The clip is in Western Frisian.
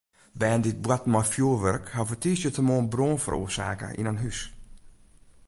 Bern dy't boarten mei fjoerwurk hawwe tiisdeitemoarn brân feroarsake yn in hús.